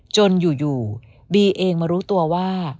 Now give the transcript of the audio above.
จนอยู่บีเองมารู้ตัวว่า